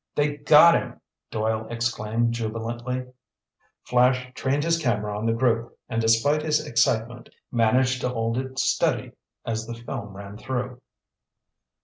"They got him!" Doyle exclaimed jubilantly. Flash trained his camera on the group, and despite his excitement, managed to hold it steady as the film ran through.